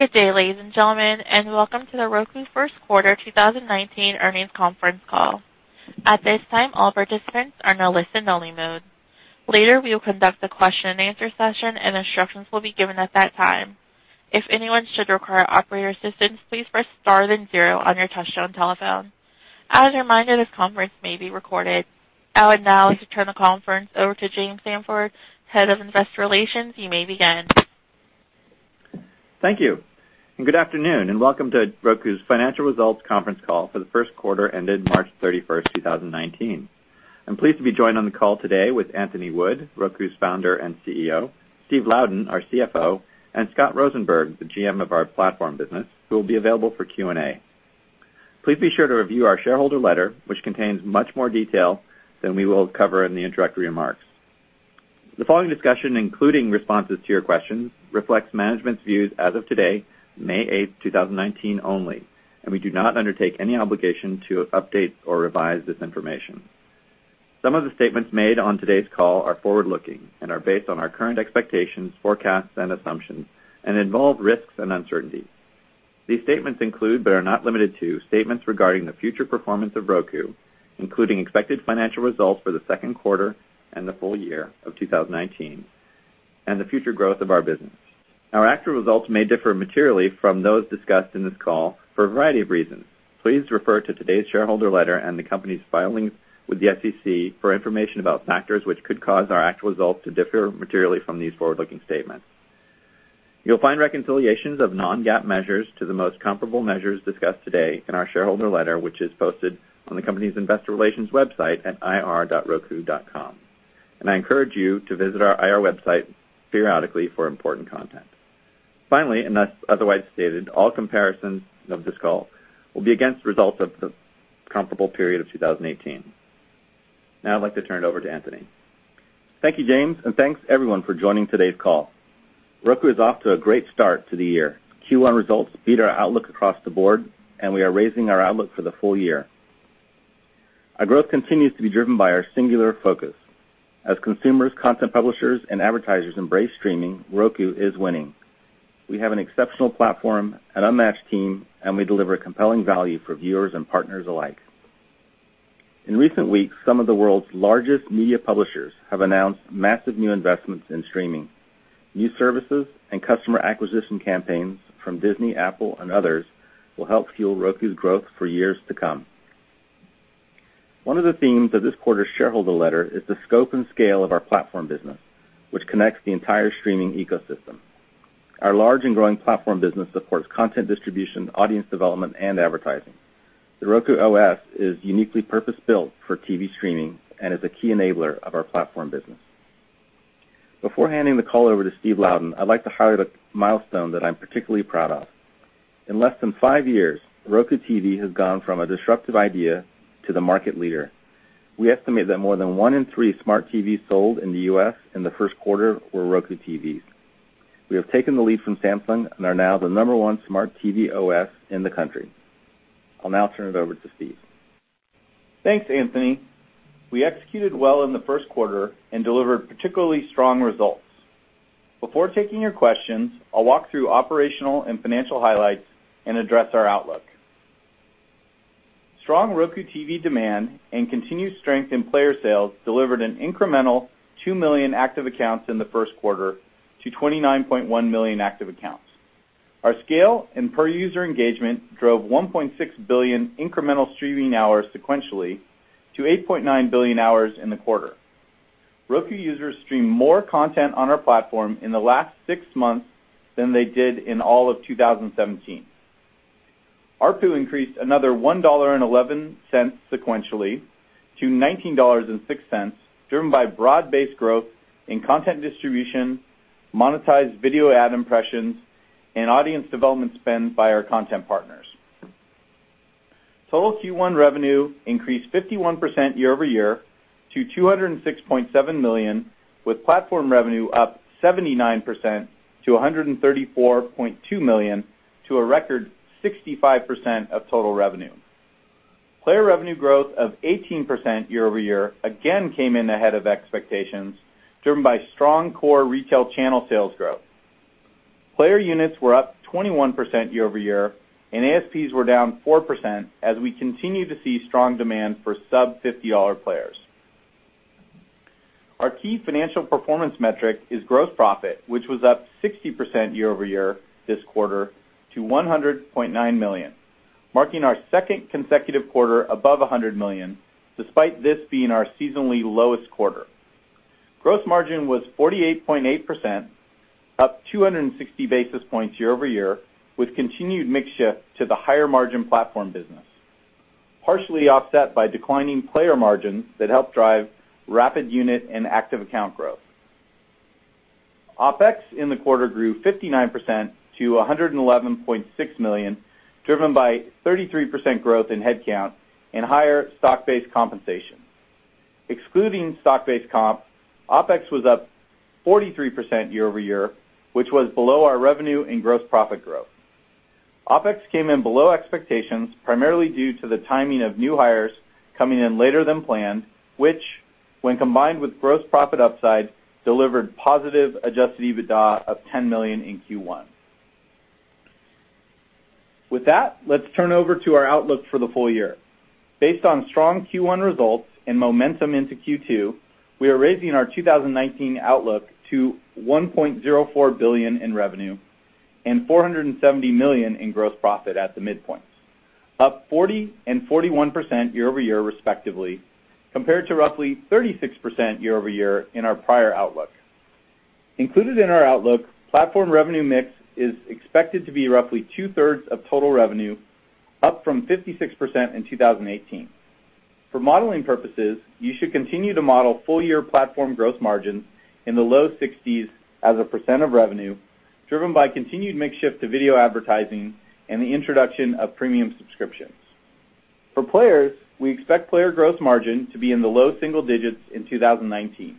Good day, ladies and gentlemen, welcome to Roku first quarter 2019 earnings conference call. At this time, all participants are now listen-only mode. Later, we will conduct a question and answer session, instructions will be given at that time. If anyone should require operator assistance, please press star then zero on your touch-tone telephone. As a reminder, this conference may be recorded. I would now like to turn the conference over to James Sanford, Head of Investor Relations. You may begin. Thank you, good afternoon, and welcome to Roku's Financial Results Conference Call for the first quarter ended March 31, 2019. I'm pleased to be joined on the call today with Anthony Wood, Roku's founder and CEO, Steve Louden, our CFO, and Scott Rosenberg, the GM of our platform business, who will be available for Q&A. Please be sure to review our shareholder letter, which contains much more detail than we will cover in the introductory remarks. The following discussion, including responses to your questions, reflects management's views as of today, May 8, 2019 only. We do not undertake any obligation to update or revise this information. Some of the statements made on today's call are forward-looking and are based on our current expectations, forecasts, and assumptions involve risks and uncertainty. These statements include, but are not limited to, statements regarding the future performance of Roku, including expected financial results for the second quarter and the full year of 2019 and the future growth of our business. Our actual results may differ materially from those discussed in this call for a variety of reasons. Please refer to today's shareholder letter and the company's filings with the SEC for information about factors which could cause our actual results to differ materially from these forward-looking statements. You'll find reconciliations of non-GAAP measures to the most comparable measures discussed today in our shareholder letter, which is posted on the company's investor relations website at ir.roku.com. I encourage you to visit our IR website periodically for important content. Finally, unless otherwise stated, all comparisons of this call will be against results of the comparable period of 2018. Now I'd like to turn it over to Anthony. Thank you, James, and thanks everyone for joining today's call. Roku is off to a great start to the year. Q1 results beat our outlook across the board, and we are raising our outlook for the full year. Our growth continues to be driven by our singular focus. As consumers, content publishers, and advertisers embrace streaming, Roku is winning. We have an exceptional platform, an unmatched team, and we deliver compelling value for viewers and partners alike. In recent weeks, some of the world's largest media publishers have announced massive new investments in streaming. New services and customer acquisition campaigns from Disney, Apple, and others will help fuel Roku's growth for years to come. One of the themes of this quarter's shareholder letter is the scope and scale of our platform business, which connects the entire streaming ecosystem. Our large and growing platform business supports content distribution, audience development, and advertising. The Roku OS is uniquely purpose-built for TV streaming and is a key enabler of our platform business. Before handing the call over to Steve Louden, I'd like to highlight a milestone that I'm particularly proud of. In less than five years, Roku TV has gone from a disruptive idea to the market leader. We estimate that more than one in three smart TVs sold in the U.S. in the first quarter were Roku TVs. We have taken the lead from Samsung and are now the number one smart TV OS in the country. I'll now turn it over to Steve. Thanks, Anthony. We executed well in the first quarter and delivered particularly strong results. Before taking your questions, I'll walk through operational and financial highlights and address our outlook. Strong Roku TV demand and continued strength in player sales delivered an incremental 2 million active accounts in the first quarter to 29.1 million active accounts. Our scale and per-user engagement drove 1.6 billion incremental streaming hours sequentially to 8.9 billion hours in the quarter. Roku users streamed more content on our platform in the last six months than they did in all of 2017. ARPU increased another $1.11 sequentially to $19.06, driven by broad-based growth in content distribution, monetized video ad impressions, and audience development spend by our content partners. Total Q1 revenue increased 51% year-over-year to $206.7 million, with platform revenue up 79% to $134.2 million to a record 65% of total revenue. Player revenue growth of 18% year-over-year again came in ahead of expectations, driven by strong core retail channel sales growth. Player units were up 21% year-over-year, and ASPs were down 4% as we continue to see strong demand for sub-$50 players. Our key financial performance metric is gross profit, which was up 60% year-over-year this quarter to $100.9 million, marking our second consecutive quarter above $100 million, despite this being our seasonally lowest quarter. Gross margin was 48.8%, up 260 basis points year-over-year, with continued mix shift to the higher margin platform business, partially offset by declining player margins that help drive rapid unit and active account growth. OpEx in the quarter grew 59% to $111.6 million, driven by 33% growth in headcount and higher stock-based compensation. Excluding stock-based comp, OpEx was up 43% year-over-year, which was below our revenue and gross profit growth. OpEx came in below expectations, primarily due to the timing of new hires coming in later than planned, which, when combined with gross profit upside, delivered positive adjusted EBITDA of $10 million in Q1. Let's turn over to our outlook for the full year. Based on strong Q1 results and momentum into Q2, we are raising our 2019 outlook to $1.04 billion in revenue and $470 million in gross profit at the midpoint, up 40% and 41% year-over-year respectively, compared to roughly 36% year-over-year in our prior outlook. Included in our outlook, platform revenue mix is expected to be roughly two-thirds of total revenue, up from 56% in 2018. For modeling purposes, you should continue to model full year platform gross margins in the low 60s as a percent of revenue, driven by continued mix shift to video advertising and the introduction of premium subscriptions. For players, we expect player gross margin to be in the low single digits in 2019.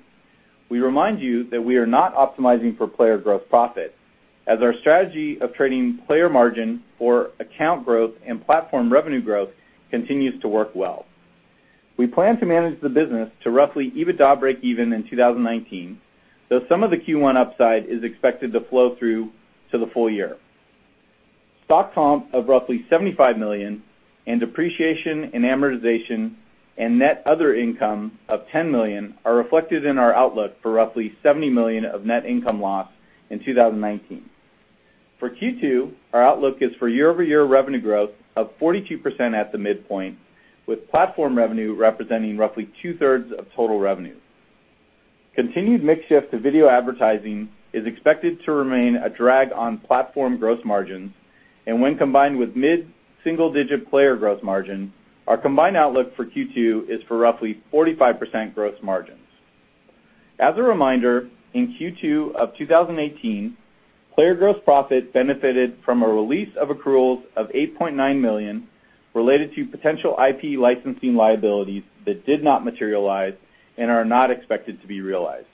We remind you that we are not optimizing for player gross profit, as our strategy of trading player margin for account growth and platform revenue growth continues to work well. We plan to manage the business to roughly EBITDA breakeven in 2019, though some of the Q1 upside is expected to flow through to the full year. Stock comp of roughly $75 million and depreciation and amortization and net other income of $10 million are reflected in our outlook for roughly $70 million of net income loss in 2019. For Q2, our outlook is for year-over-year revenue growth of 42% at the midpoint, with platform revenue representing roughly two-thirds of total revenue. Continued mix shift to video advertising is expected to remain a drag on platform gross margins, and when combined with mid-single digit player gross margin, our combined outlook for Q2 is for roughly 45% gross margins. As a reminder, in Q2 of 2018, player gross profit benefited from a release of accruals of $8.9 million related to potential IP licensing liabilities that did not materialize and are not expected to be realized.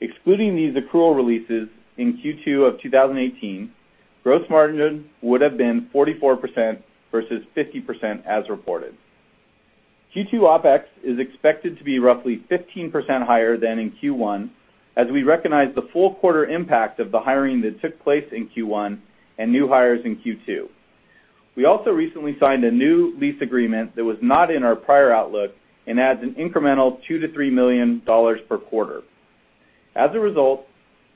Excluding these accrual releases in Q2 of 2018, gross margin would have been 44% versus 50% as reported. Q2 OpEx is expected to be roughly 15% higher than in Q1 as we recognize the full quarter impact of the hiring that took place in Q1 and new hires in Q2. We also recently signed a new lease agreement that was not in our prior outlook and adds an incremental $2 million-$3 million per quarter. As a result,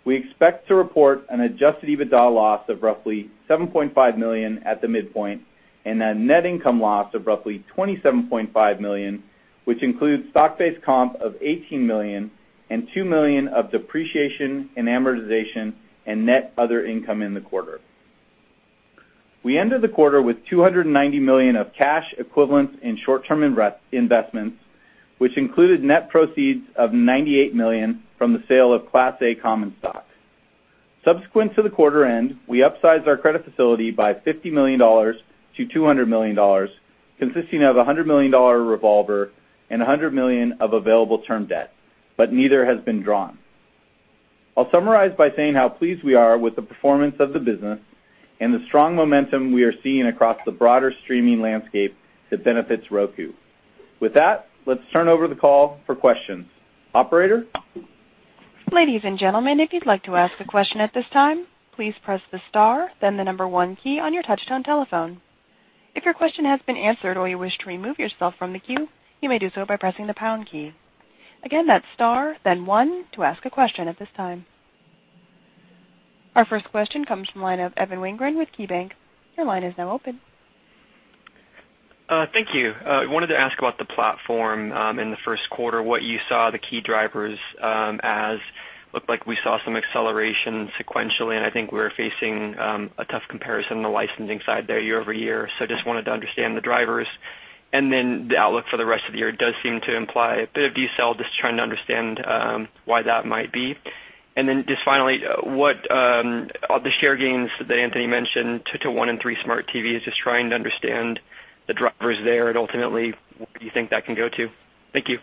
we expect to report an adjusted EBITDA loss of roughly $7.5 million at the midpoint, and a net income loss of roughly $27.5 million, which includes stock-based comp of $18 million and $2 million of depreciation in amortization and net other income in the quarter. We ended the quarter with $290 million of cash equivalents and short-term investments, which included net proceeds of $98 million from the sale of Class A common stock. Subsequent to the quarter end, we upsized our credit facility by $50 million to $200 million, consisting of a $100 million revolver and $100 million of available term debt, but neither has been drawn. I'll summarize by saying how pleased we are with the performance of the business and the strong momentum we are seeing across the broader streaming landscape that benefits Roku. With that, let's turn over the call for questions. Operator? Ladies and gentlemen, if you'd like to ask a question at this time, please press the star then the number 1 key on your touchtone telephone. If your question has been answered or you wish to remove yourself from the queue, you may do so by pressing the pound key. Again, that's star then 1 to ask a question at this time. Our first question comes from the line of Evan Wingren with KeyBank. Your line is now open. Thank you. I wanted to ask about the platform in the first quarter, what you saw the key drivers as. Looked like we saw some acceleration sequentially, and I think we're facing a tough comparison on the licensing side there year-over-year. Just wanted to understand the drivers. The outlook for the rest of the year does seem to imply a bit of decel. Just trying to understand why that might be. Just finally, what are the share gains that Anthony mentioned to 1 in 3 smart TVs, just trying to understand the drivers there and ultimately where you think that can go to. Thank you.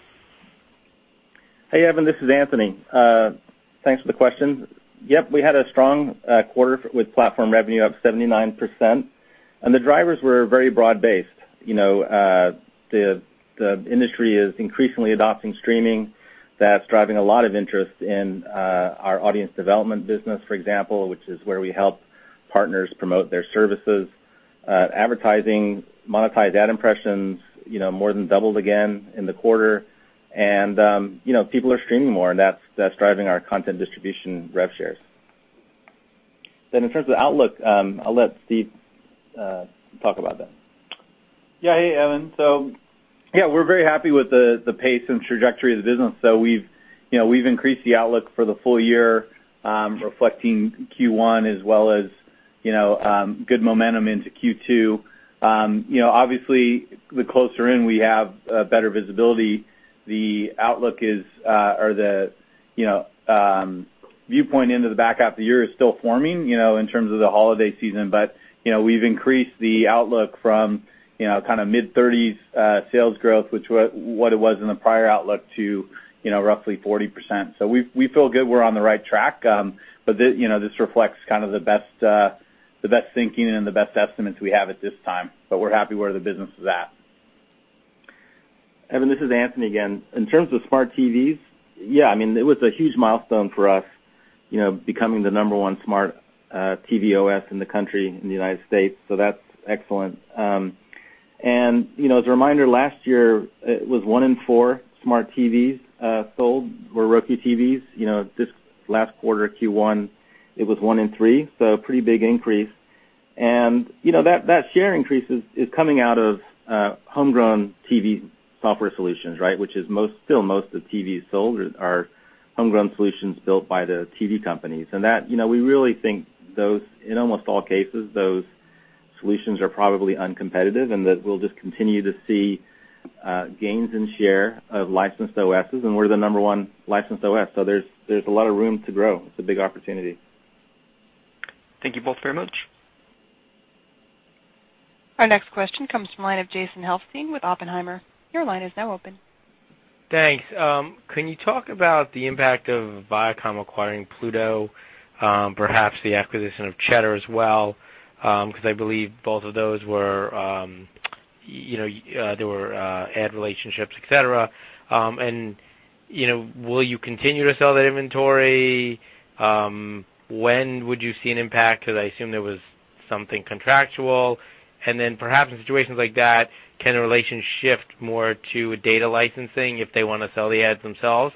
Hey, Evan, this is Anthony. Thanks for the questions. Yep, we had a strong quarter with platform revenue up 79%, the drivers were very broad-based. The industry is increasingly adopting streaming. That's driving a lot of interest in our audience development business, for example, which is where we help partners promote their services. Advertising, monetized ad impressions more than doubled again in the quarter. People are streaming more, and that's driving our content distribution rev shares. In terms of outlook, I'll let Steve talk about that. Yeah. Hey, Evan. Yeah, we're very happy with the pace and trajectory of the business. We've increased the outlook for the full year, reflecting Q1 as well as good momentum into Q2. Obviously, the closer in we have better visibility. The viewpoint into the back half of the year is still forming in terms of the holiday season, but we've increased the outlook from mid-30s sales growth, which what it was in the prior outlook to roughly 40%. We feel good we're on the right track. This reflects the best thinking and the best estimates we have at this time, but we're happy where the business is at. Evan, this is Anthony again. In terms of smart TVs, yeah, it was a huge milestone for us becoming the number 1 smart TV OS in the country, in the U.S. That's excellent. As a reminder, last year it was 1 in 4 smart TVs sold were Roku TVs. This last quarter, Q1, it was 1 in 3. A pretty big increase. That share increase is coming out of homegrown TV software solutions, right? Which is still most of the TVs sold are homegrown solutions built by the TV companies. We really think, in almost all cases, those solutions are probably uncompetitive and that we'll just continue to see gains in share of licensed OSs, and we're the number 1 licensed OS, so there's a lot of room to grow. It's a big opportunity. Thank you both very much. Our next question comes from the line of Jason Helfstein with Oppenheimer. Your line is now open. Thanks. Can you talk about the impact of Viacom acquiring Pluto, perhaps the acquisition of Cheddar as well? I believe both of those were ad relationships, et cetera. Will you continue to sell that inventory? When would you see an impact, because I assume there was something contractual. Perhaps in situations like that, can a relationship more to data licensing if they want to sell the ads themselves?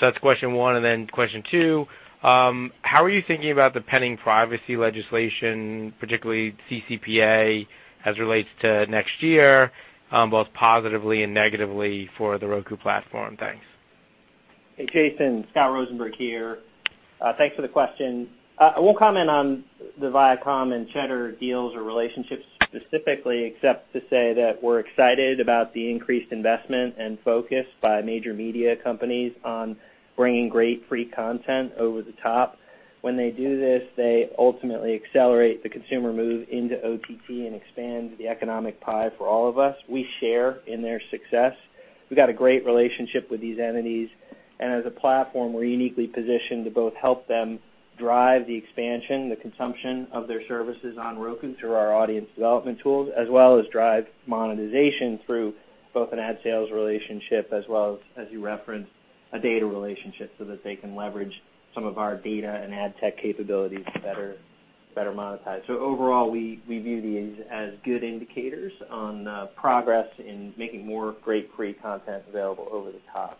That's question one. Question two, how are you thinking about the pending privacy legislation, particularly CCPA, as it relates to next year, both positively and negatively for the Roku platform? Thanks. Hey, Jason. Scott Rosenberg here. Thanks for the question. I won't comment on the Viacom and Cheddar deals or relationships specifically except to say that we're excited about the increased investment and focus by major media companies on bringing great free content over the top. When they do this, they ultimately accelerate the consumer move into OTT and expand the economic pie for all of us. We share in their success. As a platform, we're uniquely positioned to both help them drive the expansion, the consumption of their services on Roku through our audience development tools, as well as drive monetization through both an ad sales relationship as well as you referenced, a data relationship so that they can leverage some of our data and ad tech capabilities to better monetize. Overall, we view these as good indicators on progress in making more great free content available over the top.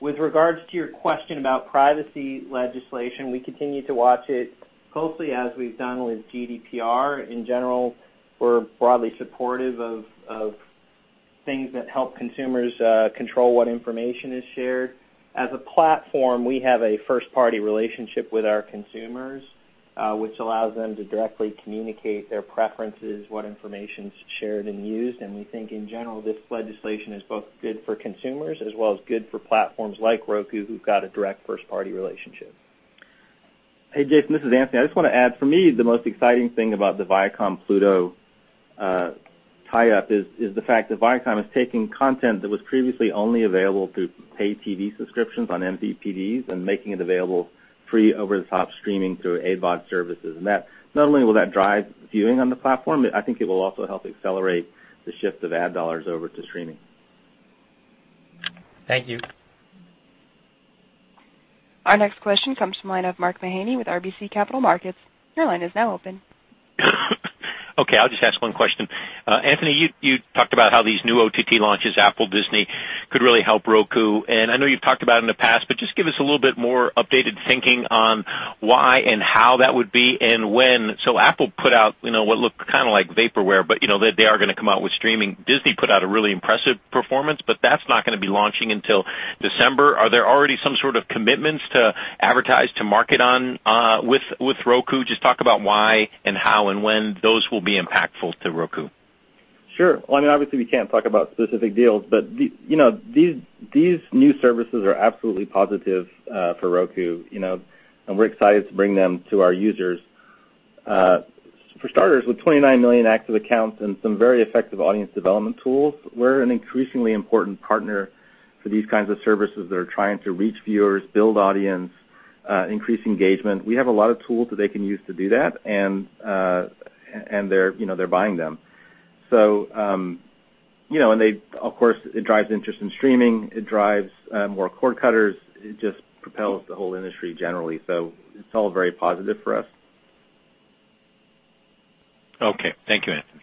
With regards to your question about privacy legislation, we continue to watch it closely as we've done with GDPR. In general, we're broadly supportive of things that help consumers control what information is shared. As a platform, we have a first-party relationship with our consumers, which allows them to directly communicate their preferences, what information's shared and used. We think in general, this legislation is both good for consumers as well as good for platforms like Roku, who've got a direct first-party relationship. Hey, Jason, this is Anthony. I just want to add, for me, the most exciting thing about the Viacom Pluto tie-up is the fact that Viacom is taking content that was previously only available through paid TV subscriptions on MVPDs and making it available free over-the-top streaming through AVOD services. Not only will that drive viewing on the platform, I think it will also help accelerate the shift of ad dollars over to streaming. Thank you. Our next question comes from the line of Mark Mahaney with RBC Capital Markets. Your line is now open. Okay, I'll just ask one question. Anthony, you talked about how these new OTT launches, Apple, Disney, could really help Roku. I know you've talked about in the past, but just give us a little bit more updated thinking on why and how that would be and when. Apple put out what looked kind of like vaporware, but they are going to come out with streaming. Disney put out a really impressive performance, but that's not going to be launching until December. Are there already some sort of commitments to advertise to market on with Roku? Just talk about why and how and when those will be impactful to Roku. Sure. Well, obviously we can't talk about specific deals, but these new services are absolutely positive for Roku, and we're excited to bring them to our users. For starters, with 29 million active accounts and some very effective audience development tools, we're an increasingly important partner for these kinds of services that are trying to reach viewers, build audience, increase engagement. We have a lot of tools that they can use to do that, and they're buying them. Of course, it drives interest in streaming. It drives more cord cutters. It just propels the whole industry generally. It's all very positive for us. Okay. Thank you, Anthony.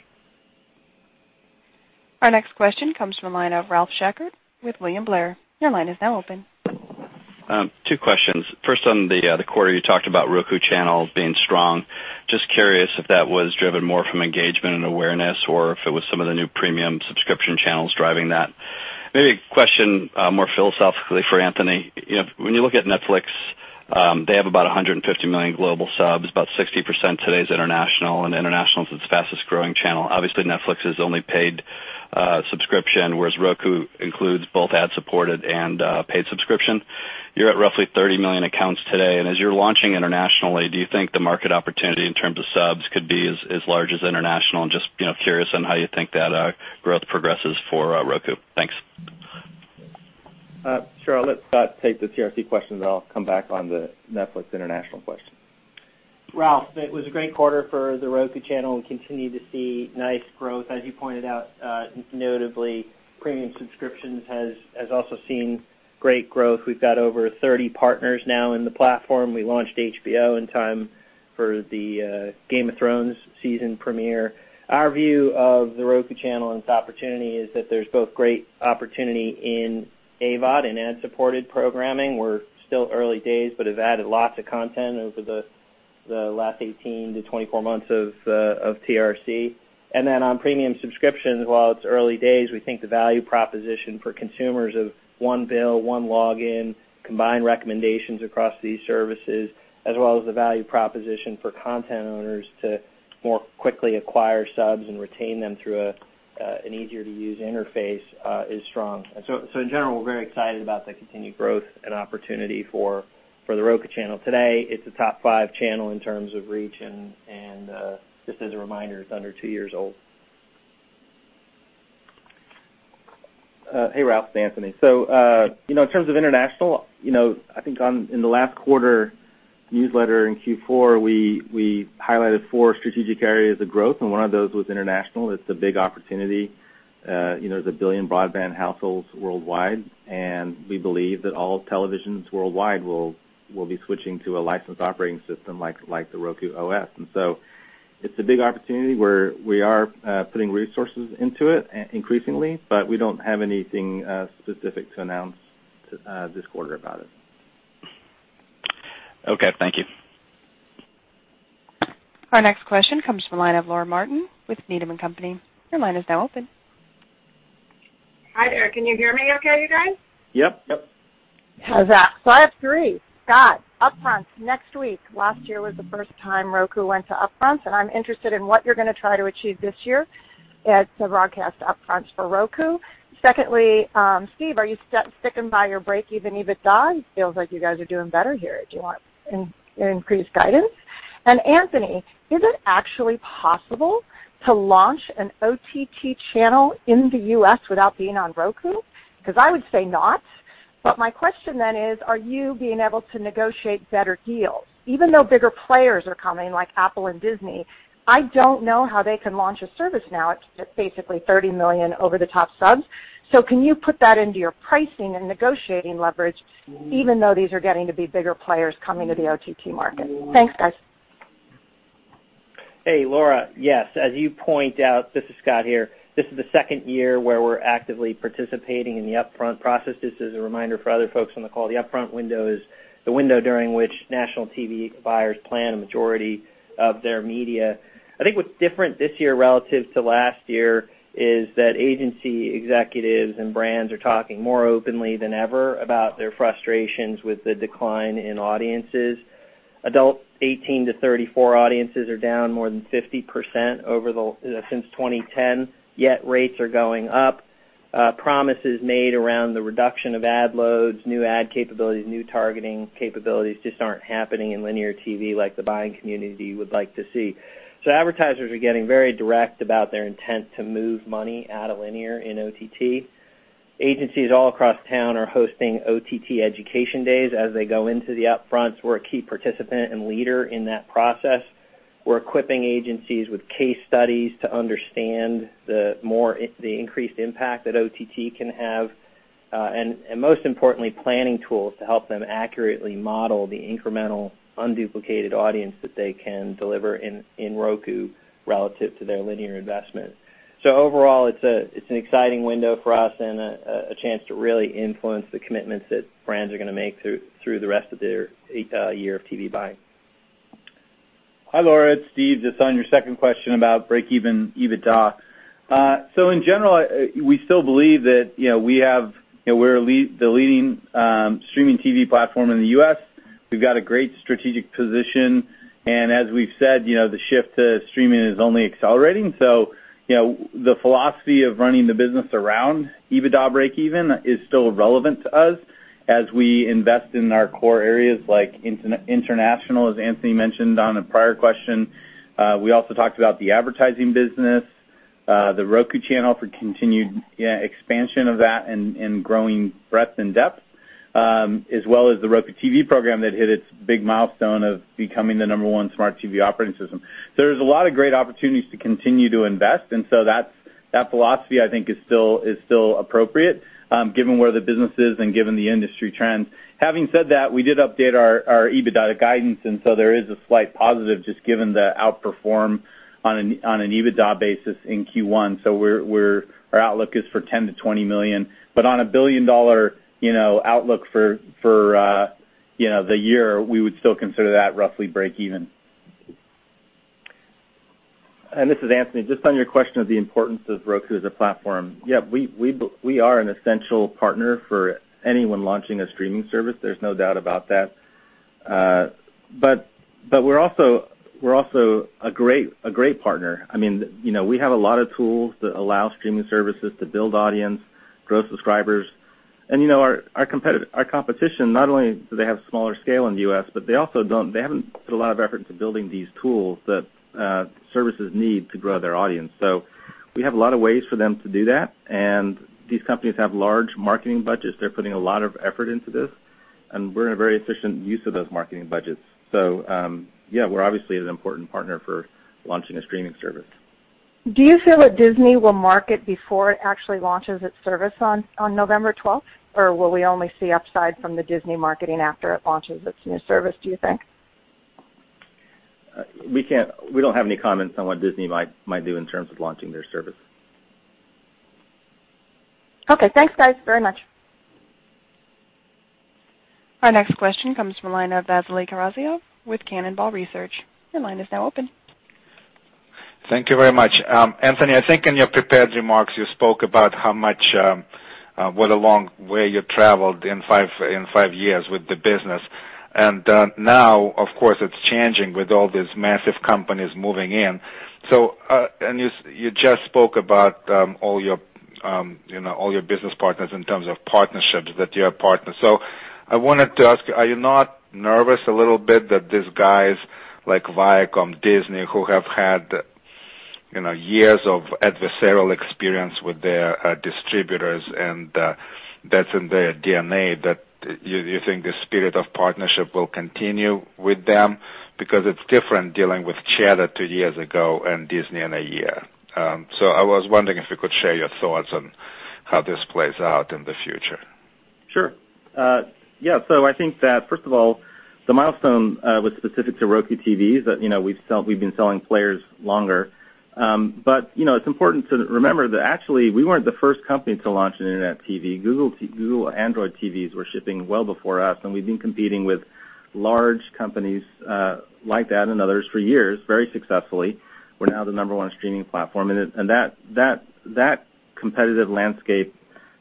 Our next question comes from a line of Ralph Schackart with William Blair. Your line is now open. Two questions. First, on the quarter, you talked about Roku Channel being strong. Just curious if that was driven more from engagement and awareness or if it was some of the new premium subscription channels driving that. Maybe a question more philosophically for Anthony. When you look at Netflix, they have about 150 million global subs, about 60% today is international, and international is its fastest growing channel. Obviously, Netflix is only paid subscription, whereas Roku includes both ad-supported and paid subscription. You're at roughly 30 million accounts today, and as you're launching internationally, do you think the market opportunity in terms of subs could be as large as international? Just curious on how you think that growth progresses for Roku. Thanks. Sure. I'll let Scott take the TRC question, then I'll come back on the Netflix international question. Ralph, it was a great quarter for The Roku Channel, and we continue to see nice growth. As you pointed out, notably, premium subscriptions has also seen great growth. We've got over 30 partners now in the platform. We launched HBO in time for the "Game of Thrones" season premiere. Our view of The Roku Channel and its opportunity is that there's both great opportunity in AVOD and ad-supported programming. We're still early days, but have added lots of content over the last 18 to 24 months of TRC. On premium subscriptions, while it's early days, we think the value proposition for consumers of one bill, one login, combined recommendations across these services, as well as the value proposition for content owners to more quickly acquire subs and retain them through an easier-to-use interface, is strong. In general, we're very excited about the continued growth and opportunity for The Roku Channel. Today, it's a top five channel in terms of reach, and just as a reminder, it's under two years old. Hey, Ralph, it's Anthony. In terms of international, I think in the last quarter newsletter in Q4, we highlighted four strategic areas of growth, and one of those was international. It's a big opportunity. There's a billion broadband households worldwide, and we believe that all televisions worldwide will be switching to a licensed operating system like the Roku OS. It's a big opportunity where we are putting resources into it increasingly, but we don't have anything specific to announce this quarter about it. Okay. Thank you. Our next question comes from the line of Laura Martin with Needham & Company. Your line is now open. Hi there. Can you hear me okay, you guys? Yep. Yep. How's that? I have three. Scott, upfront next week, last year was the first time Roku went to upfronts, I'm interested in what you're going to try to achieve this year at the broadcast upfronts for Roku. Secondly, Steve, are you sticking by your breakeven EBITDA? It feels like you guys are doing better here. Do you want an increased guidance? Anthony, is it actually possible to launch an OTT channel in the U.S. without being on Roku? I would say not. My question then is, are you being able to negotiate better deals? Even though bigger players are coming, like Apple and Disney, I don't know how they can launch a service now at basically 30 million over-the-top subs. Can you put that into your pricing and negotiating leverage, even though these are getting to be bigger players coming to the OTT market? Thanks, guys. Hey, Laura. Yes. As you point out, this is Scott. This is the second year where we're actively participating in the upfront process. Just as a reminder for other folks on the call, the upfront window is the window during which national TV buyers plan a majority of their media. I think what's different this year relative to last year is that agency executives and brands are talking more openly than ever about their frustrations with the decline in audiences. Adult 18-34 audiences are down more than 50% since 2010, yet rates are going up. Promises made around the reduction of ad loads, new ad capabilities, new targeting capabilities just aren't happening in linear TV like the buying community would like to see. Advertisers are getting very direct about their intent to move money out of linear in OTT. Agencies all across town are hosting OTT education days as they go into the upfronts. We're a key participant and leader in that process. We're equipping agencies with case studies to understand the increased impact that OTT can have, and most importantly, planning tools to help them accurately model the incremental unduplicated audience that they can deliver in Roku relative to their linear investment. Overall, it's an exciting window for us and a chance to really influence the commitments that brands are going to make through the rest of their year of TV buying. Hi, Laura. It's Steve. Just on your second question about breakeven EBITDA. In general, we still believe that we're the leading streaming TV platform in the U.S. We've got a great strategic position, and as we've said, the shift to streaming is only accelerating. The philosophy of running the business around EBITDA breakeven is still relevant to us as we invest in our core areas like international, as Anthony mentioned on a prior question. We also talked about the advertising business, The Roku Channel for continued expansion of that and growing breadth and depth, as well as the Roku TV program that hit its big milestone of becoming the number one smart TV operating system. There's a lot of great opportunities to continue to invest, and that philosophy, I think, is still appropriate given where the business is and given the industry trends. Having said that, we did update our EBITDA guidance, and there is a slight positive just given the outperform on an EBITDA basis in Q1. Our outlook is for $10 million-$20 million. On a billion-dollar outlook for the year, we would still consider that roughly breakeven. This is Anthony. Just on your question of the importance of Roku as a platform. Yeah, we are an essential partner for anyone launching a streaming service. There's no doubt about that. We're also a great partner. We have a lot of tools that allow streaming services to build audience, grow subscribers. Our competition, not only do they have smaller scale in the U.S., but they haven't put a lot of effort into building these tools that services need to grow their audience. We have a lot of ways for them to do that, and these companies have large marketing budgets. They're putting a lot of effort into this, and we're a very efficient use of those marketing budgets. Yeah, we're obviously an important partner for launching a streaming service. Do you feel that Disney will market before it actually launches its service on November 12th? Will we only see upside from the Disney marketing after it launches its new service, do you think? We don't have any comments on what Disney might do in terms of launching their service. Okay. Thanks, guys, very much. Our next question comes from the line of Vasily Karasyov with Cannonball Research. Your line is now open. Thank you very much. Anthony, I think in your prepared remarks, you spoke about what a long way you traveled in five years with the business. Now, of course, it's changing with all these massive companies moving in. You just spoke about all your business partners in terms of partnerships, that you are partners. I wanted to ask, are you not nervous a little bit that these guys like Viacom, Disney, who have had years of adversarial experience with their distributors, and that's in their DNA, that you think the spirit of partnership will continue with them? Because it's different dealing with Cheddar two years ago and Disney in a year. I was wondering if you could share your thoughts on how this plays out in the future. Sure. Yeah. I think that first of all, the milestone was specific to Roku TVs. We've been selling players longer. It's important to remember that actually, we weren't the first company to launch an internet TV. Google Android TVs were shipping well before us, and we've been competing with large companies like that and others for years, very successfully. We're now the number one streaming platform. That competitive landscape,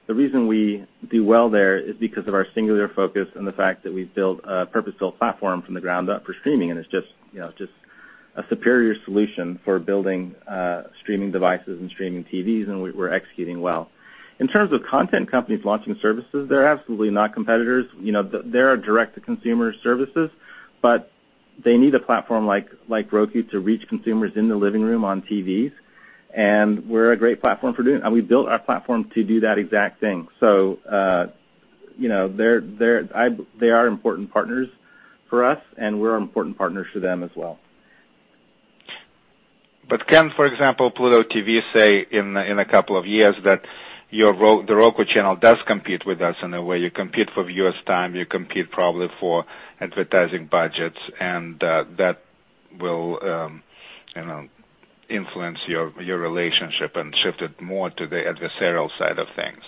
the reason we do well there is because of our singular focus and the fact that we've built a purpose-built platform from the ground up for streaming, and it's just a superior solution for building streaming devices and streaming TVs, and we're executing well. In terms of content companies launching services, they're absolutely not competitors. They are direct-to-consumer services, they need a platform like Roku to reach consumers in the living room on TVs, and we're a great platform for doing that. We built our platform to do that exact thing. They are important partners for us, and we're important partners to them as well. Can, for example, Pluto TV say in a couple of years that The Roku Channel does compete with us in a way? You compete for viewers' time, you compete probably for advertising budgets, and that will influence your relationship and shift it more to the adversarial side of things.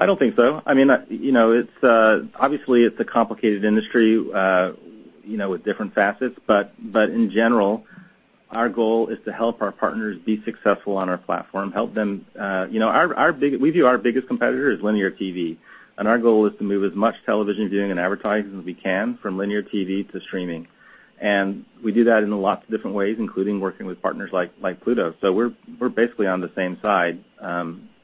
I don't think so. Obviously, it's a complicated industry with different facets, but in general, our goal is to help our partners be successful on our platform. We view our biggest competitor as linear TV, and our goal is to move as much television viewing and advertising as we can from linear TV to streaming. We do that in lots of different ways, including working with partners like Pluto, so we're basically on the same side.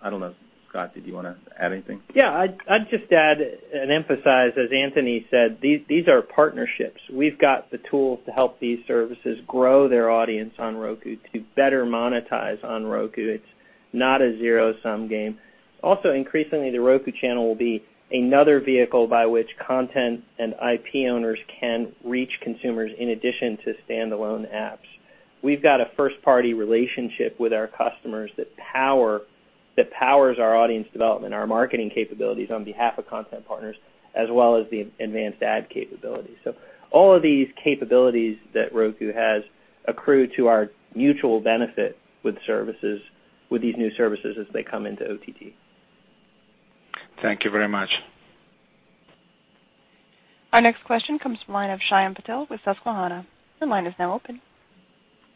I don't know, Scott, did you want to add anything? Yeah. I'd just add and emphasize, as Anthony said, these are partnerships. We've got the tools to help these services grow their audience on Roku to better monetize on Roku. It's not a zero-sum game. Also, increasingly, The Roku Channel will be another vehicle by which content and IP owners can reach consumers in addition to standalone apps. We've got a first-party relationship with our customers that powers our audience development, our marketing capabilities on behalf of content partners, as well as the advanced ad capabilities. All of these capabilities that Roku has accrue to our mutual benefit with these new services as they come into OTT. Thank you very much. Our next question comes from the line of Shyam Patil with Susquehanna. Your line is now open.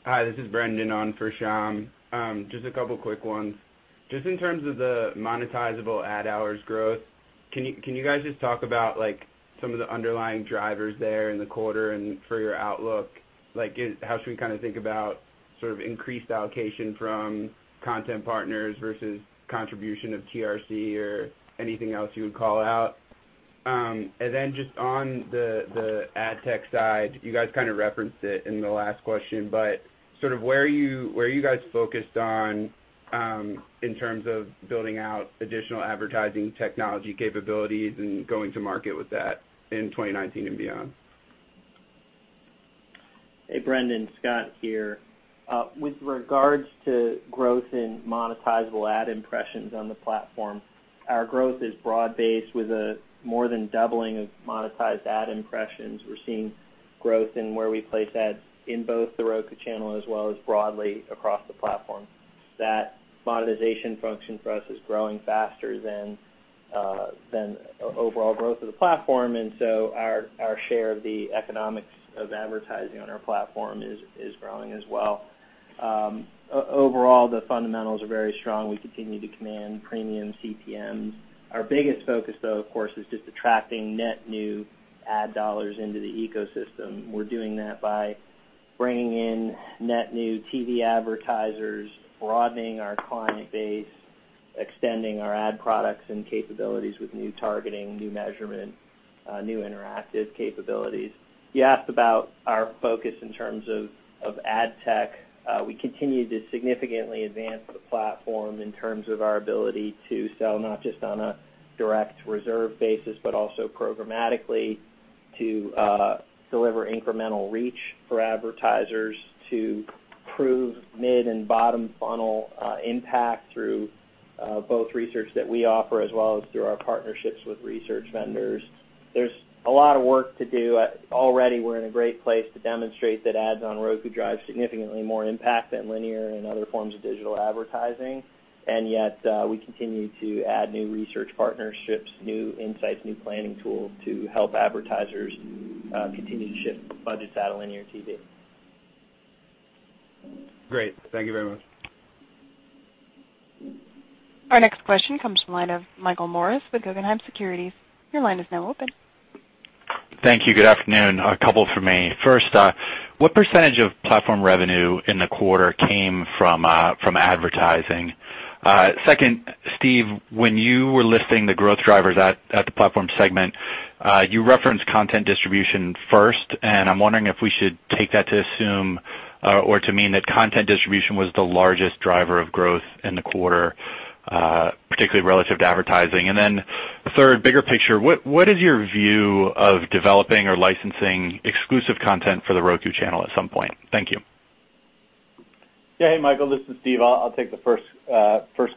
Hi, this is Brendan on for Shyam Patil. Just a couple quick ones. In terms of the monetizable ad hours growth, can you guys just talk about some of the underlying drivers there in the quarter and for your outlook? How should we think about sort of increased allocation from content partners versus contribution of TRC or anything else you would call out? On the ad tech side, you guys kind of referenced it in the last question, but sort of where are you guys focused on in terms of building out additional advertising technology capabilities and going to market with that in 2019 and beyond? Hey, Brendan. Scott here. With regards to growth in monetizable ad impressions on the platform, our growth is broad-based with a more than doubling of monetized ad impressions. We're seeing growth in where we place ads in both The Roku Channel as well as broadly across the platform. That monetization function for us is growing faster than overall growth of the platform, our share of the economics of advertising on our platform is growing as well. Overall, the fundamentals are very strong. We continue to command premium CPMs. Our biggest focus, though, of course, is just attracting net new ad dollars into the ecosystem. We're doing that by bringing in net new TV advertisers, broadening our client base Extending our ad products and capabilities with new targeting, new measurement, new interactive capabilities. You asked about our focus in terms of ad tech. We continue to significantly advance the platform in terms of our ability to sell not just on a direct reserve basis, but also programmatically to deliver incremental reach for advertisers to prove mid and bottom funnel impact through both research that we offer as well as through our partnerships with research vendors. There's a lot of work to do. Already we're in a great place to demonstrate that ads on Roku drive significantly more impact than linear and other forms of digital advertising. Yet, we continue to add new research partnerships, new insights, new planning tools to help advertisers continue to shift budgets out of linear TV. Great. Thank you very much. Our next question comes from the line of Michael Morris with Guggenheim Securities. Your line is now open. Thank you. Good afternoon. A couple from me. First, what % of platform revenue in the quarter came from advertising? Second, Steve, when you were listing the growth drivers at the platform segment, you referenced content distribution first, and I'm wondering if we should take that to assume or to mean that content distribution was the largest driver of growth in the quarter, particularly relative to advertising. Third, bigger picture, what is your view of developing or licensing exclusive content for The Roku Channel at some point? Thank you. Yeah. Hey, Michael, this is Steve. I'll take the first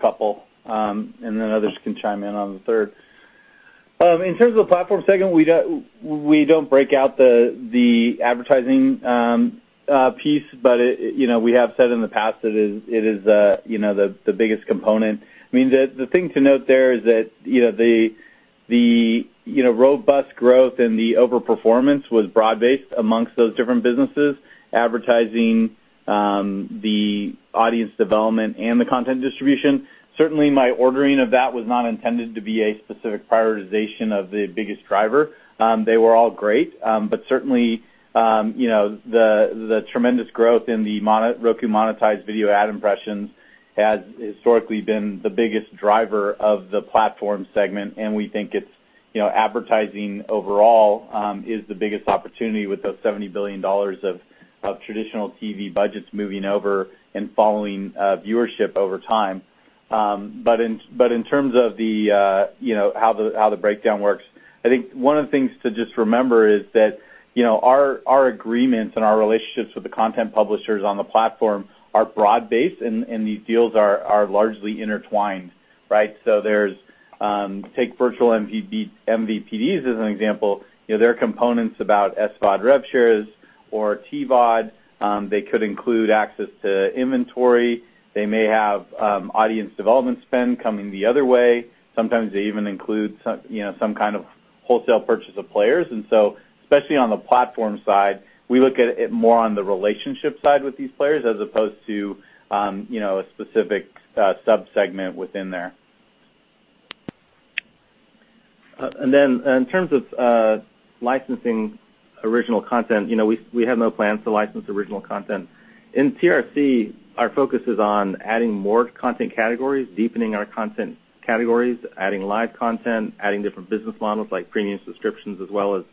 couple, others can chime in on the third. In terms of the platform segment, we don't break out the advertising piece, but we have said in the past that it is the biggest component. I mean, the thing to note there is that the robust growth and the over-performance was broad-based amongst those different businesses, advertising, the audience development, and the content distribution. Certainly, my ordering of that was not intended to be a specific prioritization of the biggest driver. They were all great. Certainly, the tremendous growth in the Roku monetized video ad impressions has historically been the biggest driver of the platform segment, and we think advertising overall is the biggest opportunity with those $70 billion of traditional TV budgets moving over and following viewership over time. In terms of how the breakdown works, I think one of the things to just remember is that our agreements and our relationships with the content publishers on the platform are broad-based, and these deals are largely intertwined, right? Take virtual MVPDs as an example. There are components about SVOD rev shares or TVOD. They could include access to inventory. They may have audience development spend coming the other way. Sometimes they even include some kind of wholesale purchase of players. Especially on the platform side, we look at it more on the relationship side with these players as opposed to a specific sub-segment within there. In terms of licensing original content, we have no plans to license original content. In TRC, our focus is on adding more content categories, deepening our content categories, adding live content, adding different business models like premium subscriptions, as well as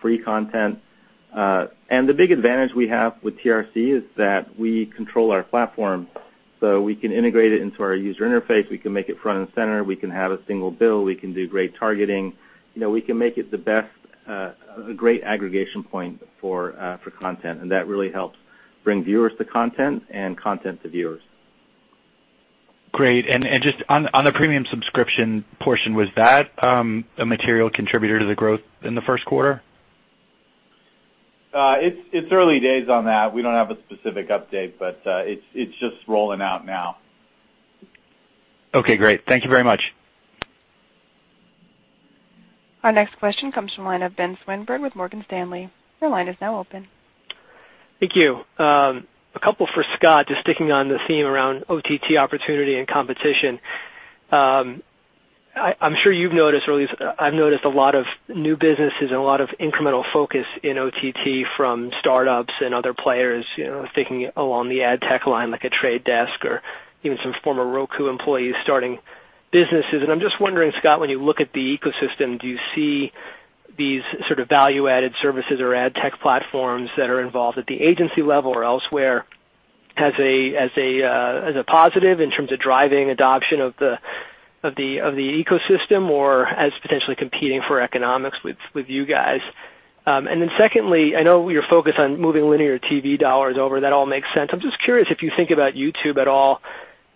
free content. The big advantage we have with TRC is that we control our platform. We can integrate it into our user interface. We can make it front and center. We can have a single bill. We can do great targeting. We can make it the best, a great aggregation point for content, and that really helps bring viewers to content and content to viewers. Great. Just on the premium subscription portion, was that a material contributor to the growth in the first quarter? It's early days on that. We don't have a specific update, but it's just rolling out now. Okay, great. Thank you very much. Our next question comes from the line of Benjamin Swinburne with Morgan Stanley. Your line is now open. Thank you. A couple for Scott, just sticking on the theme around OTT opportunity and competition. I'm sure you've noticed, or at least I've noticed a lot of new businesses and a lot of incremental focus in OTT from startups and other players, thinking along the ad tech line, like a Trade Desk or even some former Roku employees starting businesses. I'm just wondering, Scott, when you look at the ecosystem, do you see these sort of value-added services or ad tech platforms that are involved at the agency level or elsewhere as a positive in terms of driving adoption of the ecosystem or as potentially competing for economics with you guys? Secondly, I know you're focused on moving linear TV dollars over. That all makes sense. I'm just curious if you think about YouTube at all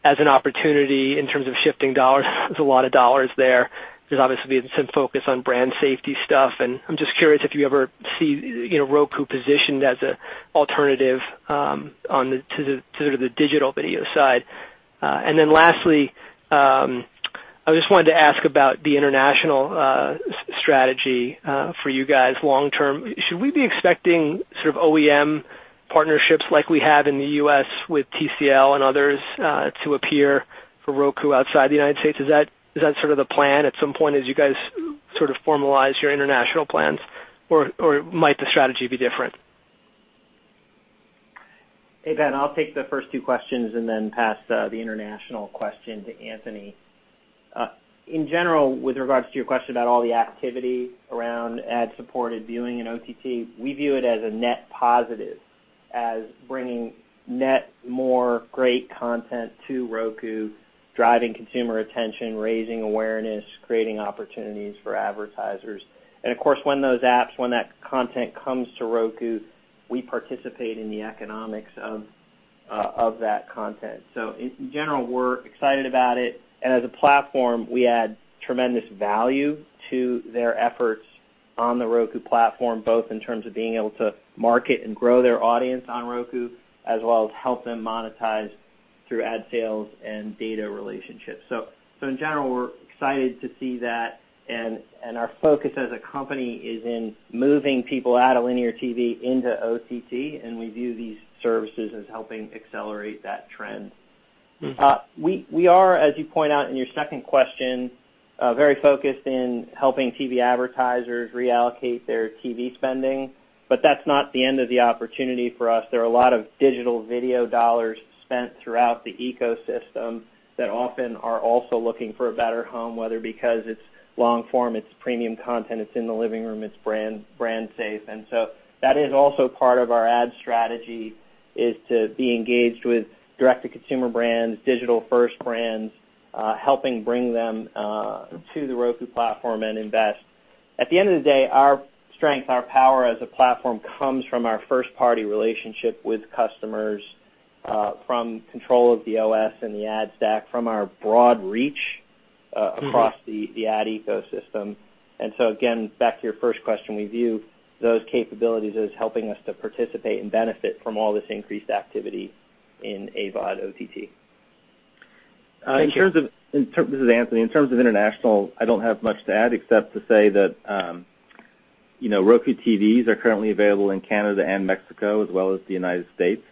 as an opportunity in terms of shifting dollars. There's a lot of dollars there. There's obviously been some focus on brand safety stuff, I'm just curious if you ever see Roku positioned as an alternative to sort of the digital video side. Lastly, I just wanted to ask about the international strategy for you guys long term. Should we be expecting sort of OEM partnerships like we have in the U.S. with TCL and others to appear for Roku outside the United States? Is that sort of the plan at some point as you guys sort of formalize your international plans? Might the strategy be different? Hey, Ben, I'll take the first two questions and then pass the international question to Anthony. In general, with regards to your question about all the activity around ad-supported viewing and OTT, we view it as a net positive, as bringing net more great content to Roku, driving consumer attention, raising awareness, creating opportunities for advertisers. Of course, when those apps, when that content comes to Roku, we participate in the economics of that content. In general, we're excited about it. As a platform, we add tremendous value to their efforts on the Roku platform, both in terms of being able to market and grow their audience on Roku, as well as help them monetize through ad sales and data relationships. In general, we're excited to see that, our focus as a company is in moving people out of linear TV into OTT, we view these services as helping accelerate that trend. We are, as you point out in your second question, very focused in helping TV advertisers reallocate their TV spending, that's not the end of the opportunity for us. There are a lot of digital video dollars spent throughout the ecosystem that often are also looking for a better home, whether because it's long-form, it's premium content, it's in the living room, it's brand safe. That is also part of our ad strategy, is to be engaged with direct-to-consumer brands, digital-first brands, helping bring them to the Roku platform and invest. At the end of the day, our strength, our power as a platform comes from our first-party relationship with customers, from control of the OS and the ad stack, from our broad reach- across the ad ecosystem. Again, back to your first question, we view those capabilities as helping us to participate and benefit from all this increased activity in AVOD OTT. Thank you. This is Anthony. In terms of international, I don't have much to add except to say that Roku TVs are currently available in Canada and Mexico, as well as the United States,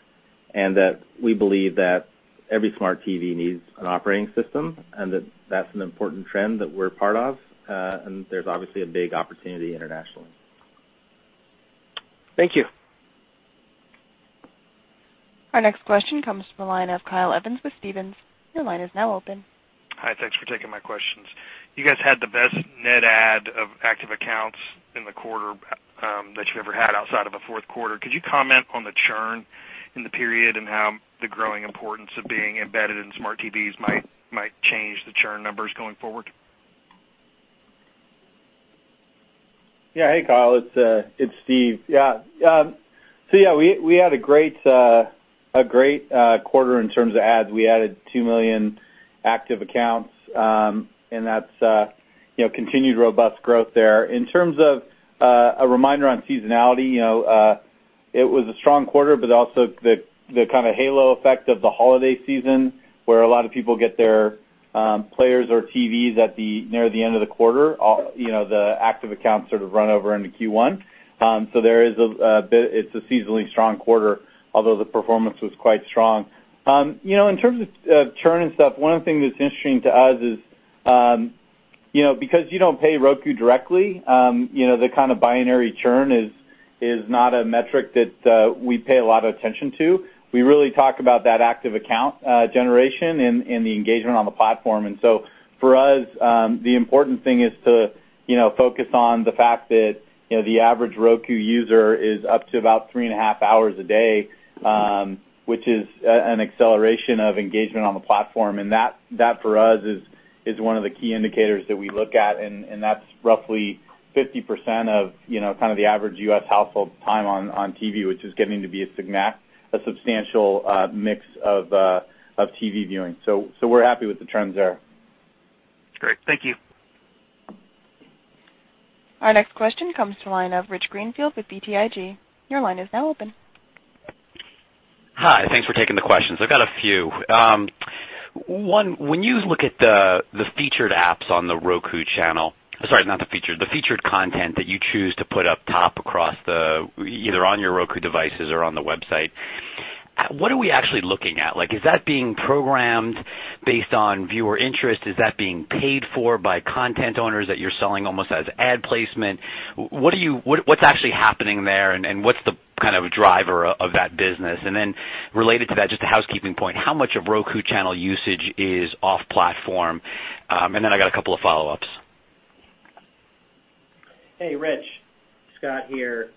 and that we believe that every smart TV needs an operating system, and that that's an important trend that we're a part of. There's obviously a big opportunity internationally. Thank you. Our next question comes from the line of Kyle Evans with Stephens. Your line is now open. Hi. Thanks for taking my questions. You guys had the best net add of active accounts in the quarter that you've ever had outside of a fourth quarter. Could you comment on the churn in the period and how the growing importance of being embedded in smart TVs might change the churn numbers going forward? Yeah. Hey, Kyle. It's Steve. Yeah, we had a great quarter in terms of ads. We added 2 million active accounts, and that's continued robust growth there. In terms of a reminder on seasonality, it was a strong quarter, but also the kind of halo effect of the holiday season, where a lot of people get their players or TVs near the end of the quarter. The active accounts sort of run over into Q1. There is a bit, it's a seasonally strong quarter, although the performance was quite strong. In terms of churn and stuff, one of the things that's interesting to us is because you don't pay Roku directly, the kind of binary churn is not a metric that we pay a lot of attention to. We really talk about that active account generation and the engagement on the platform. For us, the important thing is to focus on the fact that the average Roku user is up to about three and a half hours a day, which is an acceleration of engagement on the platform. That, for us, is one of the key indicators that we look at, and that's roughly 50% of the average U.S. household time on TV, which is getting to be a substantial mix of TV viewing. We're happy with the trends there. Great. Thank you. Our next question comes from the line of Rich Greenfield with BTIG. Your line is now open. Hi. Thanks for taking the questions. I've got a few. One, when you look at the featured apps on The Roku Channel, the featured content that you choose to put up top either on your Roku devices or on the website, what are we actually looking at? Is that being programmed based on viewer interest? Is that being paid for by content owners that you're selling almost as ad placement? What's actually happening there, and what's the kind of driver of that business? Related to that, just a housekeeping point, how much of The Roku Channel usage is off platform? I got a couple of follow-ups. Hey, Rich. Scott here.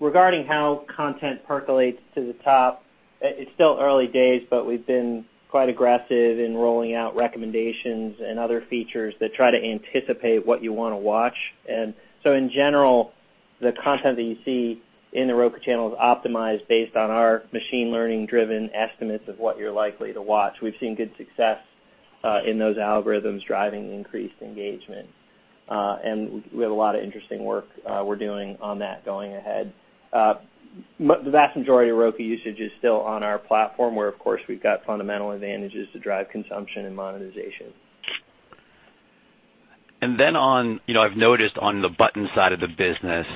Regarding how content percolates to the top, it's still early days, but we've been quite aggressive in rolling out recommendations and other features that try to anticipate what you want to watch. So in general, the content that you see in The Roku Channel is optimized based on our machine learning-driven estimates of what you're likely to watch. We've seen good success in those algorithms driving increased engagement. We have a lot of interesting work we're doing on that going ahead. The vast majority of Roku usage is still on our platform, where, of course, we've got fundamental advantages to drive consumption and monetization. I've noticed on the button side of the business,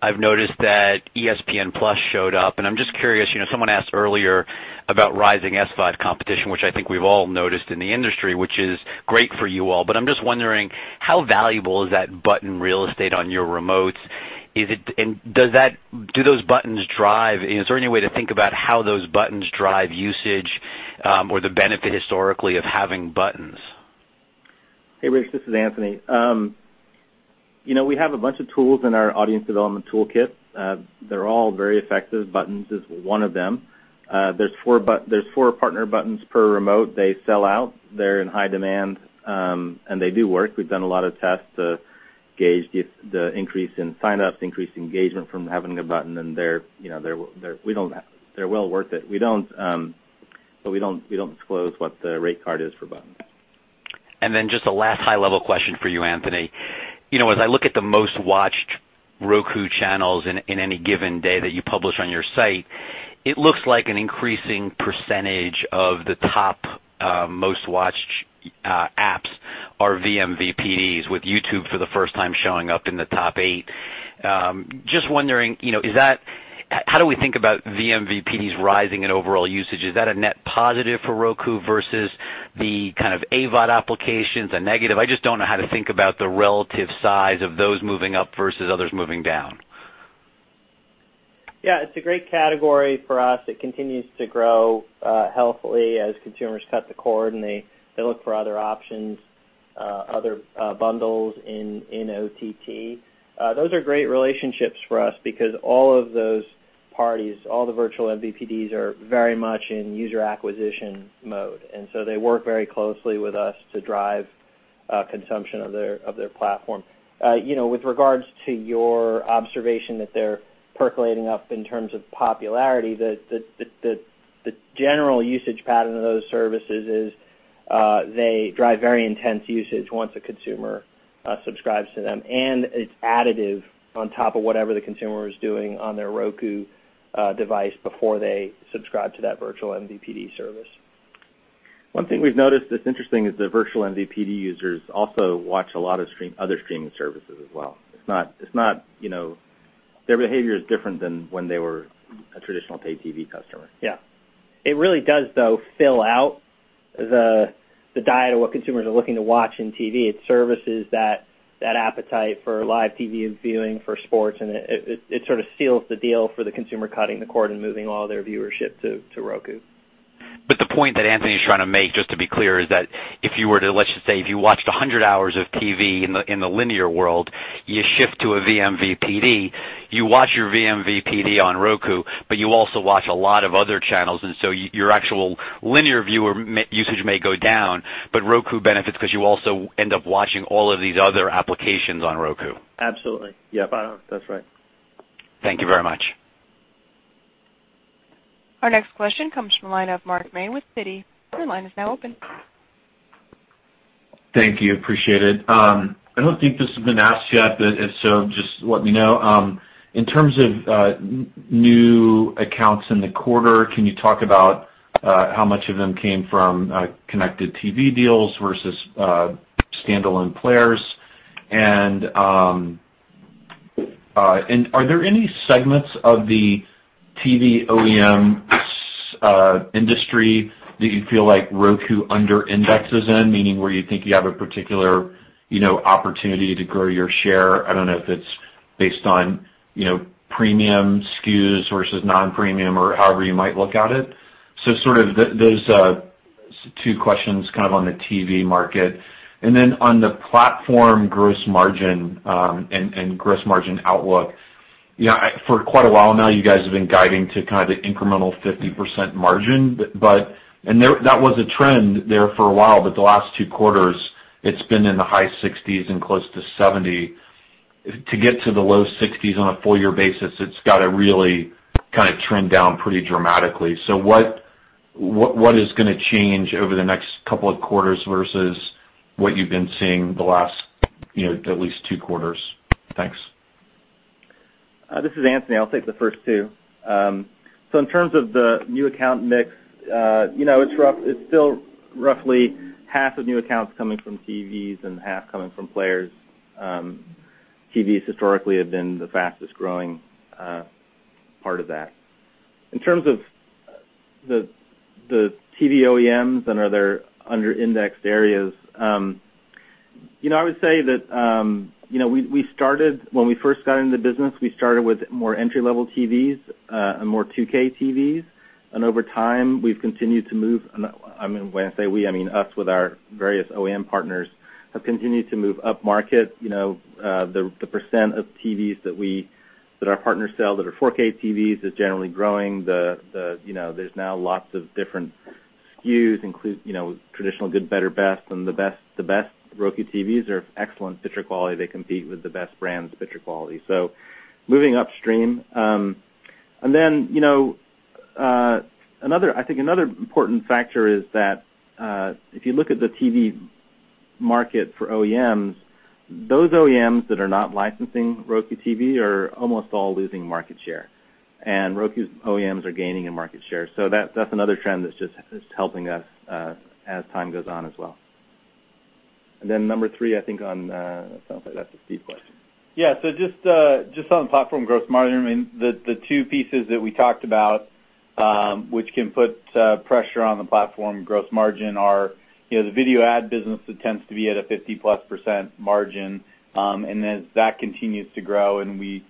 I've noticed that ESPN+ showed up, and I'm just curious. Someone asked earlier about rising SVOD competition, which I think we've all noticed in the industry, which is great for you all. I'm just wondering, how valuable is that button real estate on your remotes? Is there any way to think about how those buttons drive usage, or the benefit historically of having buttons? Hey, Rich, this is Anthony. We have a bunch of tools in our audience development toolkit. They're all very effective. Buttons is one of them. There's four partner buttons per remote. They sell out. They're in high demand. They do work. We've done a lot of tests to gauge the increase in sign-ups, increase engagement from having a button, and they're well worth it. We don't disclose what the rate card is for buttons. Just a last high level question for you, Anthony. As I look at the most-watched Roku channels in any given day that you publish on your site, it looks like an increasing percentage of the top most-watched apps are vMVPDs, with YouTube for the first time showing up in the top eight. Just wondering, how do we think about vMVPDs rising in overall usage? Is that a net positive for Roku versus the kind of AVOD applications a negative? I just don't know how to think about the relative size of those moving up versus others moving down. Yeah. It's a great category for us. It continues to grow healthily as consumers cut the cord and they look for other options, other bundles in OTT. Those are great relationships for us because all of those parties, all the virtual MVPDs are very much in user acquisition mode. They work very closely with us to drive consumption of their platform. With regards to your observation that they're percolating up in terms of popularity, the general usage pattern of those services is they drive very intense usage once a consumer subscribes to them. It's additive on top of whatever the consumer is doing on their Roku device before they subscribe to that virtual MVPD service. One thing we've noticed that's interesting is that virtual MVPD users also watch a lot of other streaming services as well. Their behavior is different than when they were a traditional pay TV customer. Yeah. It really does, though, fill out the diet of what consumers are looking to watch in TV. It services that appetite for live TV and viewing for sports, it sort of seals the deal for the consumer cutting the cord and moving all their viewership to Roku. The point that Anthony's trying to make, just to be clear, is that if you were to, let's just say, if you watched 100 hours of TV in the linear world, you shift to a vMVPD, you watch your vMVPD on Roku, you also watch a lot of other channels. Your actual linear viewer usage may go down, but Roku benefits because you also end up watching all of these other applications on Roku. Absolutely. Yep. That's right. Thank you very much. Our next question comes from the line of Mark Mason with Citi. Your line is now open. Thank you. Appreciate it. I don't think this has been asked yet, but if so, just let me know. In terms of new accounts in the quarter, can you talk about how much of them came from connected TV deals versus standalone players? Are there any segments of the TV OEMs industry that you feel like Roku under indexes in, meaning where you think you have a particular opportunity to grow your share? I don't know if it's based on premium SKUs versus non-premium or however you might look at it. Sort of those two questions kind of on the TV market. On the platform gross margin and gross margin outlook, for quite a while now, you guys have been guiding to kind of the incremental 50% margin. That was a trend there for a while, but the last two quarters, it's been in the high 60s and close to 70. To get to the low 60s on a full year basis, it's got to really kind of trend down pretty dramatically. What is going to change over the next couple of quarters versus what you've been seeing the last at least two quarters? Thanks. This is Anthony. I'll take the first two. In terms of the new account mix, it's still roughly half of new accounts coming from TVs and half coming from players. TVs historically have been the fastest-growing part of that. In terms of the TV OEMs and are there under-indexed areas, I would say that when we first got into the business, we started with more entry-level TVs, and more 2K TVs, and over time, we've continued to move. When I say we, I mean us with our various OEM partners, have continued to move upmarket. The % of TVs that our partners sell that are 4K TVs is generally growing. There's now lots of different SKUs, traditional good, better, best. The best Roku TVs are excellent picture quality. They compete with the best brands' picture quality. Moving upstream. I think another important factor is that if you look at the TV market for OEMs, those OEMs that are not licensing Roku TV are almost all losing market share. Roku's OEMs are gaining in market share. That's another trend that's just helping us as time goes on as well. Number three, I think on, it sounds like that's a Steve question. Yeah. Just on the platform gross margin, the two pieces that we talked about, which can put pressure on the platform gross margin are the video ad business that tends to be at a 50-plus % margin. As that continues to grow, and we've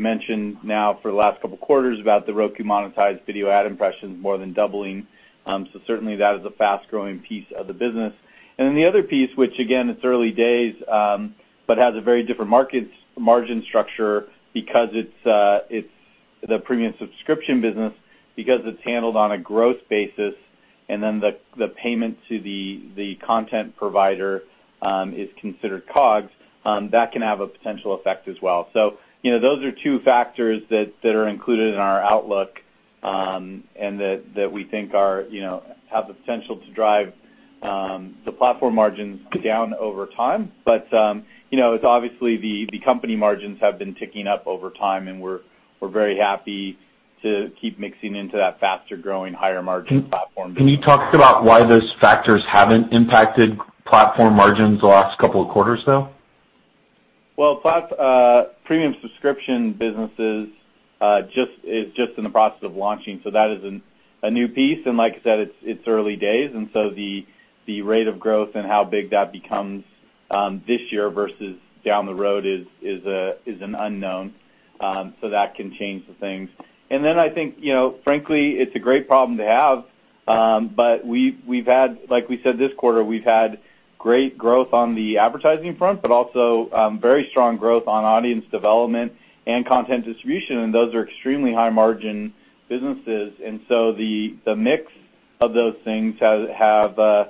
mentioned now for the last couple of quarters about The Roku Monetized Video Ad impressions more than doubling. Certainly, that is a fast-growing piece of the business. The other piece, which again, it's early days, but has a very different margin structure because it's the premium subscription business, because it's handled on a gross basis, and then the payment to the content provider is considered COGS, that can have a potential effect as well. Those are two factors that are included in our outlook, and that we think have the potential to drive the platform margins down over time. Obviously, the company margins have been ticking up over time, and we're very happy to keep mixing into that faster-growing, higher-margin platform. Can you talk about why those factors haven't impacted platform margins the last couple of quarters, though? Premium subscription businesses is just in the process of launching. That is a new piece. Like I said, it's early days. The rate of growth and how big that becomes, this year versus down the road is an unknown. That can change the things. I think, frankly, it's a great problem to have. Like we said, this quarter, we've had great growth on the advertising front, but also very strong growth on audience development and content distribution. Those are extremely high-margin businesses. The mix of those things have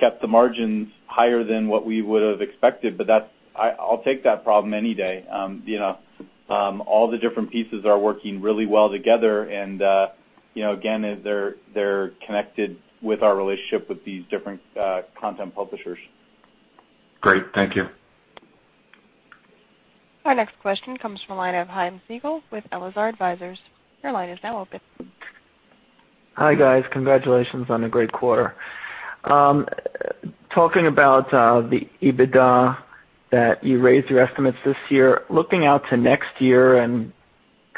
kept the margins higher than what we would have expected, but I'll take that problem any day. All the different pieces are working really well together. Again, they're connected with our relationship with these different content publishers. Great. Thank you. Our next question comes from the line of Chaim Siegel with Elazar Advisors. Your line is now open. Hi, guys. Congratulations on a great quarter. Talking about the EBITDA that you raised your estimates this year, looking out to next year and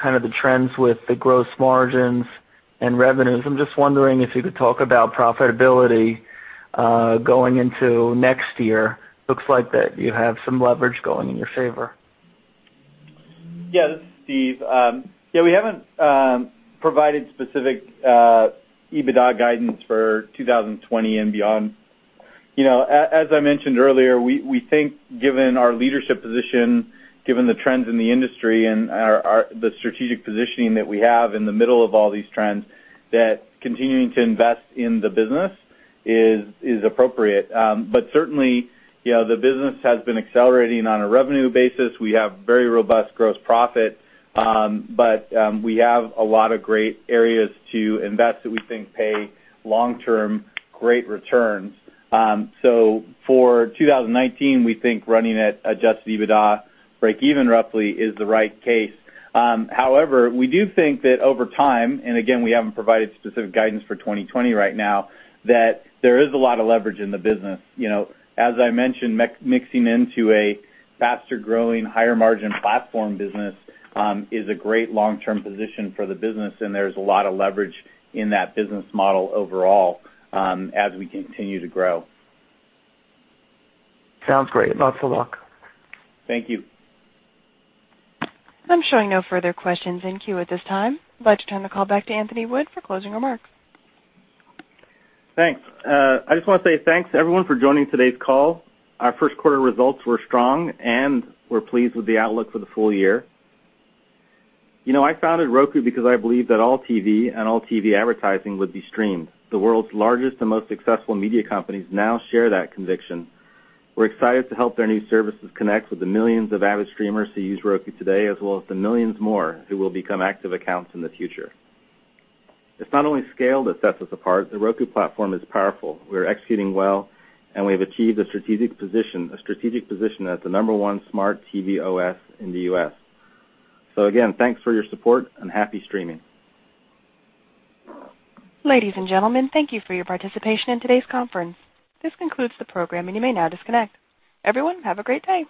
kind of the trends with the gross margins and revenues, I'm just wondering if you could talk about profitability, going into next year. Looks like that you have some leverage going in your favor. This is Steve. We haven't provided specific EBITDA guidance for 2020 and beyond. As I mentioned earlier, we think given our leadership position, given the trends in the industry and the strategic positioning that we have in the middle of all these trends, that continuing to invest in the business is appropriate. Certainly, the business has been accelerating on a revenue basis. We have very robust gross profit, but we have a lot of great areas to invest that we think pay long-term great returns. For 2019, we think running at adjusted EBITDA breakeven roughly is the right case. However, we do think that over time, and again, we haven't provided specific guidance for 2020 right now, that there is a lot of leverage in the business. As I mentioned, mixing into a faster-growing, higher-margin platform business, is a great long-term position for the business, and there's a lot of leverage in that business model overall, as we continue to grow. Sounds great. Lots of luck. Thank you. I'm showing no further questions in queue at this time. I'd like to turn the call back to Anthony Wood for closing remarks. Thanks. I just want to say thanks to everyone for joining today's call. Our first quarter results were strong, and we're pleased with the outlook for the full year. I founded Roku because I believe that all TV and all TV advertising would be streamed. The world's largest and most successful media companies now share that conviction. We're excited to help their new services connect with the millions of avid streamers who use Roku today, as well as the millions more who will become active accounts in the future. It's not only scale that sets us apart. The Roku platform is powerful. We're executing well, and we have achieved a strategic position as the number 1 smart TV OS in the U.S. Again, thanks for your support and happy streaming. Ladies and gentlemen, thank you for your participation in today's conference. This concludes the program, and you may now disconnect. Everyone, have a great day.